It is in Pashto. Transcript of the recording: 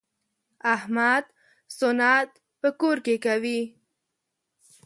احمد سنت په کور کې کوي.